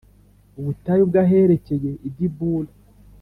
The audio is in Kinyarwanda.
ubutayu bw aherekeye i Dibula